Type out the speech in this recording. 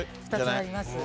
２つあります。